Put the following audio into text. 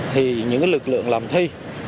thì những lực lượng làm thi